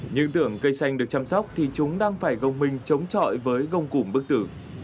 nhưng tưởng cây xanh được chăm sóc thì chúng đang phải gông minh chống trọi với gông củm bức tử